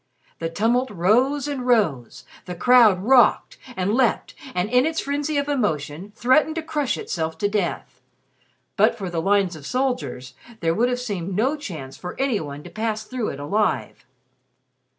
The tumult rose and rose, the crowd rocked, and leapt, and, in its frenzy of emotion, threatened to crush itself to death. But for the lines of soldiers, there would have seemed no chance for any one to pass through it alive.